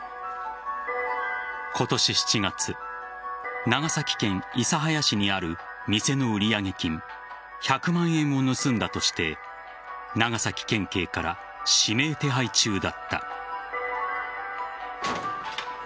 今年７月長崎県諫早市にある店の売上金１００万円を盗んだとして長崎県警から指名手配中だった。